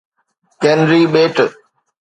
ڪينري ٻيٽ